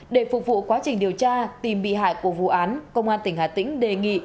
để phục vụ quá trình điều tra tìm bị hại của vụ án công an tỉnh hà tĩnh đề nghị